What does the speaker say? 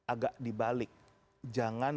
agak dibalik jangan